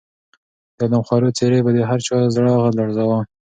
د آدمخورو څېرې به د هر چا زړه لړزاوه.